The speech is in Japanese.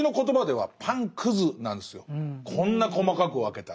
こんな細かく分けたら。